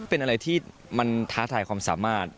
เป็นอะไรที่มันท้าทายความสามารถ